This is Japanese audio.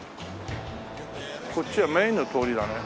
こっちはメインの通りだね。